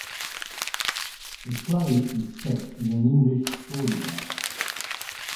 The play is set in an English boarding house.